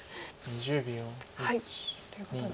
１。ということで。